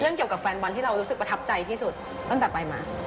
เกี่ยวกับแฟนบอลที่เรารู้สึกประทับใจที่สุดตั้งแต่ไปมา